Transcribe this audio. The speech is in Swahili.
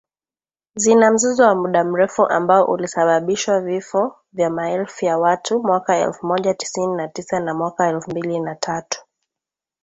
Zina mzozo wa muda mrefu ambao ulisababishwa vifo vya maelfu ya watu mwaka elfu Moja tisini na tisa na mwaka elfu mbili na tatu